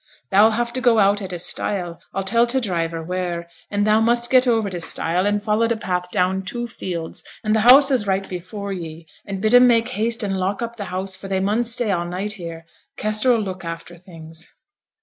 Thou'll have to get out at a stile, I'll tell t' driver where; and thou must get over t' stile and follow t' path down two fields, and th' house is right before ye, and bid 'em make haste and lock up th' house, for they mun stay all night here. Kester 'll look after things.'